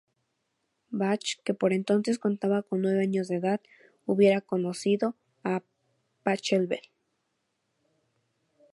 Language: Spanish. Bach, que por entonces contaba con nueve años de edad, hubiera conocido a Pachelbel.